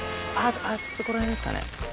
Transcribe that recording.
あそこら辺ですかね。